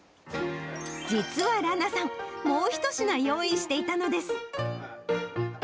実は羅名さん、もう１品用意していたのです。